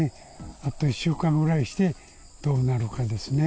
あと１週間ぐらいして、どうなるかですね。